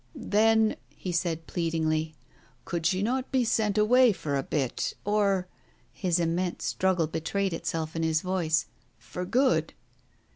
"Then," he said pleadingly. "Could she not be sent away for a bit — or" — his immense struggle betrayed itself in his voice — "for good?"